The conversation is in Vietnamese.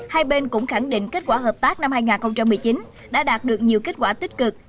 hai bên cũng khẳng định kết quả hợp tác năm hai nghìn một mươi chín đã đạt được nhiều kết quả tích cực